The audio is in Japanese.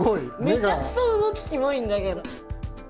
めちゃくそ動きキモいんだけど。